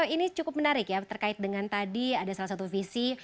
ini cukup menarik ya terkait dengan tadi ada salah satu visi